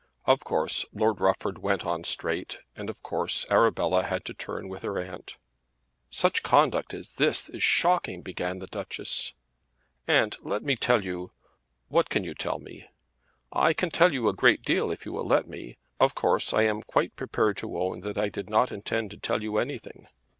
Of course Lord Rufford went on straight and of course Arabella had to turn with her aunt. "Such conduct as this is shocking," began the Duchess. "Aunt, let me tell you." "What can you tell me?" "I can tell you a great deal if you will let me. Of course I am quite prepared to own that I did not intend to tell you anything."